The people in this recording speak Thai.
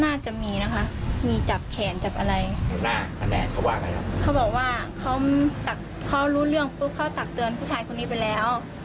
ก็น่าจะมีนะคะมีจับแขนจับอะไรเขาบอกว่าเขารู้เรื่องปุ๊บเขาตักเตือนผู้ชายคนนี้ไปแล้ว